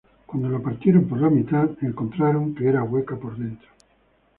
Cuando fue dividida a la mitad se encontró que es hueca adentro.